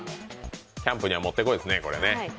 キャンプにはもってこいですね。